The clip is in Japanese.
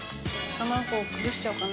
卵崩しちゃおうかな。